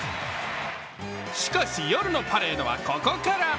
しかし、夜のパレードはここから。